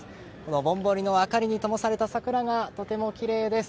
ぼんぼりのあかりにともされた桜がとてもきれいです。